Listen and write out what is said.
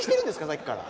さっきから。